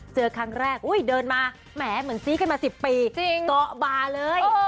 เจอครั้งแรกเดินมาแหมเหมือนซี้กันมา๑๐ปีเกาะบาเลย